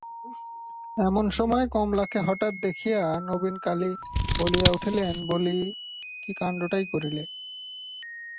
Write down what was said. এমন সময় কমলাকে হঠাৎ দেখিয়া নবীনকালী বলিয়া উঠিলেন, বলি, কী কাণ্ডটাই করিলে?